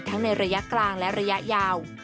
ในระยะกลางและระยะยาว